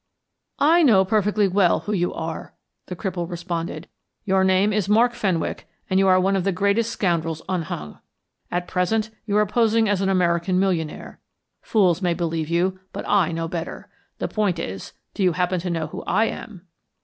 "I know perfectly well who you are," the cripple responded. "Your name is Mark Fenwick, and you are one of the greatest scoundrels unhung. At present, you are posing as an American millionaire. Fools may believe you, but I know better. The point is, do you happen to know who I am?"